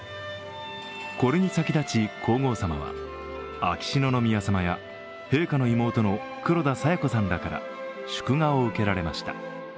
これに先立ち、皇后さまは秋篠宮さまや陛下の妹の黒田清子さんらから祝賀を受けられました。